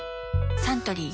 サントリー